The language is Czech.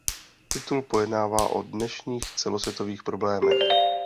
Titul pojednává o dnešních celosvětových problémech.